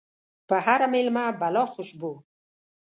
په هر ميلمه بلا خوشبو